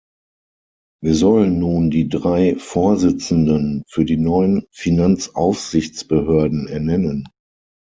Wir sollen nun die drei Vorsitzenden für die neuen Finanzaufsichtsbehörden ernennen.